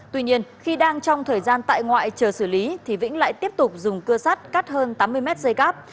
tuy nhiên khi đang trong thời gian tại ngoại chờ xử lý thì vĩnh lại tiếp tục dùng cưa sắt cắt hơn tám mươi mét dây cáp